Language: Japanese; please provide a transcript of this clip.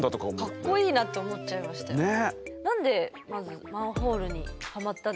かっこいいなって思っちゃいましたよ。ね。